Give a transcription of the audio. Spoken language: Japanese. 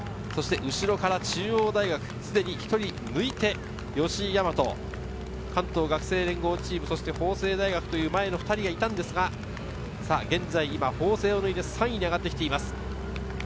後ろから中央大学、すでに１人抜いて吉居大和、関東学生連合チーム、法政大学という前の２人がいましたが、現在法政を抜いて３位に上がってきています。